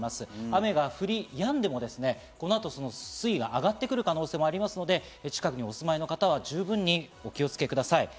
雨が降りやんでも、水位が上がってくる可能性もありますので近くにお住まいの方は十分にお気をつけください。